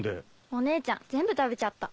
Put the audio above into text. お姉ちゃん全部食べちゃった。